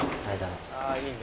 ああいいね。